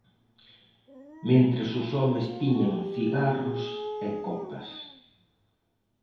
Mentres os homes tiñan cigarros e copas.